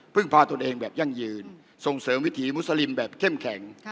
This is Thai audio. พาตนเองแบบยั่งยืนส่งเสริมวิถีมุสลิมแบบเข้มแข็ง